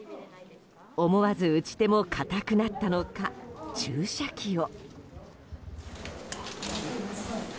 思わず打ち手も硬くなったのか注射器を。